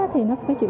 thì nó có thể